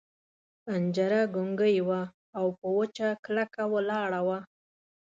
پنجره ګونګۍ وه او وچه کلکه ولاړه وه.